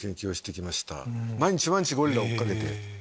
毎日毎日ゴリラを追い掛けて。